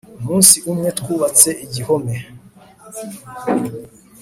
umunsi umwe twubatse igihome